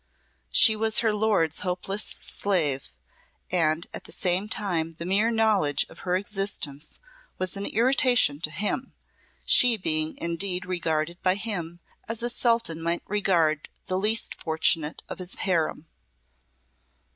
She was her lord's hopeless slave, and at the same time the mere knowledge of her existence was an irritation to him, she being indeed regarded by him as a Sultan might regard the least fortunate of his harem.